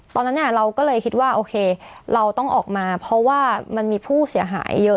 ตอนนั้นเราก็เลยคิดว่าโอเคเราต้องออกมาเพราะว่ามันมีผู้เสียหายเยอะ